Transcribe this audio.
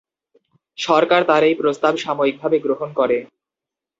সরকার তাঁর এই প্রস্তাব সাময়িকভাবে গ্রহণ করে।